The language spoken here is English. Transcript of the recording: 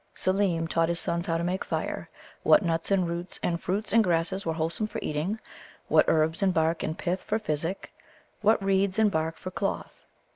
Seelem taught his sons how to make fire, what nuts and roots and fruits and grasses were wholesome for eating; what herbs and bark and pith for physic; what reeds and barks for cloth.